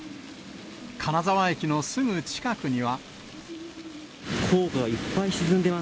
金沢駅のすぐ近くには。